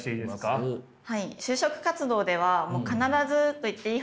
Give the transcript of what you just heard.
はい。